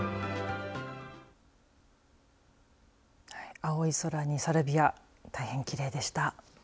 青い空にサルビア大変きれいでした。